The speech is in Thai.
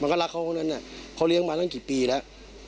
ก็รักเขาคนนั้นเขาเลี้ยงมาตั้งกี่ปีแล้ว